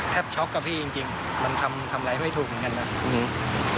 แทบช็อกกับพี่จริงมันทำอะไรไม่ถูกเหมือนกันนะ